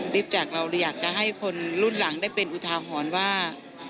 จากเราเลยอยากจะให้คนรุ่นหลังได้เป็นอุทาหรณ์ว่า